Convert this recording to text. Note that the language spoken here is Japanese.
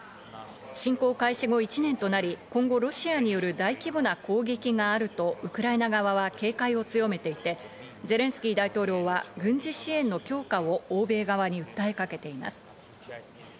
侵攻開始後１年となり、今後、ロシアによる大規模な攻撃があるとウクライナ側は警戒を強めていて、ゼレンスキー大統領は軍事支援の強化を欧米側に訴えかけています。